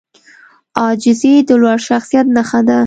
عاجزي د لوړ شخصیت نښه ده.